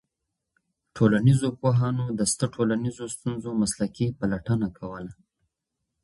ټولنيزو پوهانو د سته ټولنيزو ستونزو مسلکي پلټنه کوله.